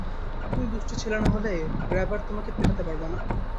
তুমি দুষ্টু ছেলে না হলে, গ্র্যাবার তোমাকে পেটাতে পারবে না।